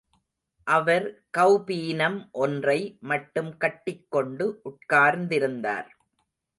அவர் கௌபீனம் ஒன்றை மட்டும் கட்டிக்கொண்டு உட்கார்ந்திருந்தார்.